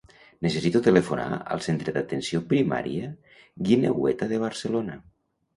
Necessito telefonar al centre d'atenció primària Guineueta de Barcelona.